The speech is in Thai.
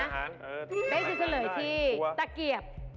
เป๊กจะเฉลยที่ตะเกียบ